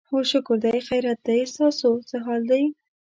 هو شکر دی، خیریت دی، ستاسو څه حال دی؟